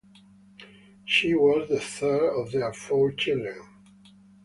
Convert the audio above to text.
She was the third of their four children.